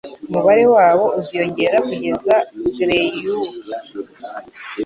umubare wabo uziyongera kugeza Greyhound